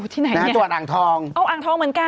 ที่ไหนนะฮะจังหวัดอ่างทองเอาอ่างทองเหมือนกัน